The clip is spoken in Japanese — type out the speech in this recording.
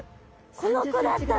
この子だったの？